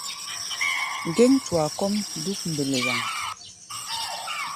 Ŋgéŋ-tua kɔ́ʼm dúk mbelewaŋ.